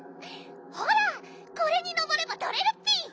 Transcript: ほらこれに上ればとれるッピ！